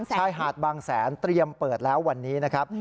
ชายหาดบางแสนเตรียมเปิดแล้ววันนี้นะครับ